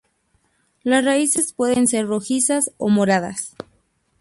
Las raíces pueden ser rojizas o moradas.